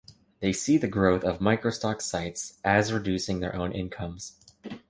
They see the growth of microstock sites as reducing their own incomes.